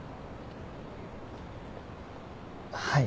はい。